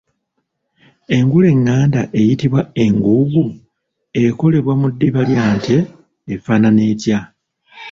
Engule enganda eyitibwa enguugu ekolebwa mu ddiba lya nte efaanana etya?